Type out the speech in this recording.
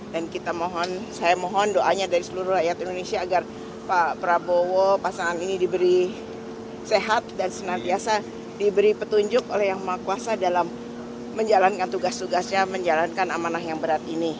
dan saya mohon doanya dari seluruh rakyat indonesia agar pak prabowo pasangan ini diberi sehat dan senantiasa diberi petunjuk oleh yang mengkuasa dalam menjalankan tugas tugasnya menjalankan amanah yang berat ini